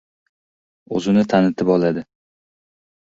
Oʻzini tanitib oladi.